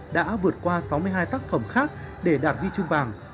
đã vượt qua sáu mươi hai tác phẩm khác để đạt huy chương vàng